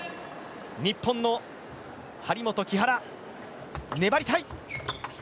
日本の張本・木原粘りたい。